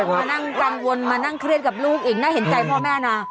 มานั่งกังวลมานั่งเครียดกับลูกอีกน่าเห็นใจพ่อแม่นะ